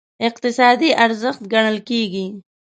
اقتصادي ارزښت ګڼل کېږي.